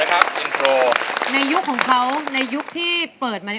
เพลงนี้ขอบคุณผู้อยู่นะครับอินโทรในยุคของเขาในยุคที่เปิดมา